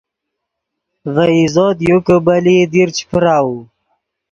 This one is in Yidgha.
ڤے عزوت یو کہ بلئیت دیر چے پراؤو